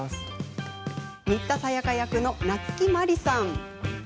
新田サヤカ役の夏木マリさん。